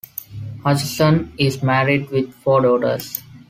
Hutchison is married with four daughters.